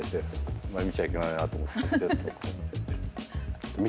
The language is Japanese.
あんまり見ちゃいけないなと思って。